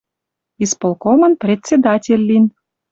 Исполкомын председатель лин.